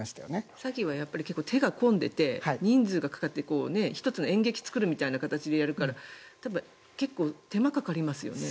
詐欺は手が込んでいて人数がかかっていて１つの演劇を作るみたいな形でやるから手間がかかりますよね。